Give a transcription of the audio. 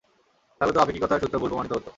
তাহলে তো আপেক্ষিকতার সূত্র ভুল প্রমাণিত হতো।